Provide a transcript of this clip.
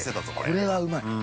◆これはうまい。